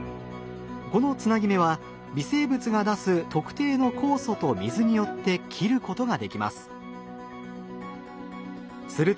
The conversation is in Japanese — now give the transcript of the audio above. このつなぎ目は微生物が出す特定の酵素と水によって切ることができます。